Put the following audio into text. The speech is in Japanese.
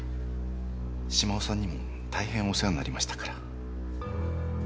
島尾さんにも大変お世話になりましたから。